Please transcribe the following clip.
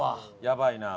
やばいな。